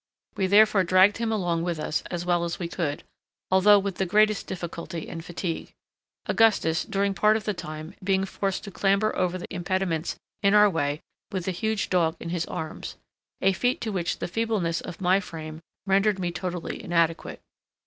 We therefore dragged him along with us as well as we could, although with the greatest difficulty and fatigue; Augustus, during part of the time, being forced to clamber over the impediments in our way with the huge dog in his arms—a feat to which the feebleness of my frame rendered me totally inadequate.